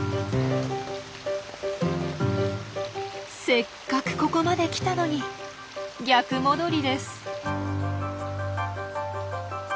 せっかくここまで来たのに逆戻りです。